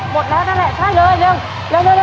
หมดแล้วนั่นแหละใช่เลยเร็ว